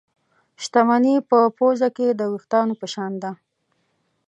شتمني په پوزه کې د وېښتانو په شان ده.